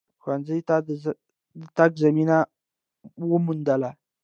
ښونځیو ته د تگ زمینه وموندله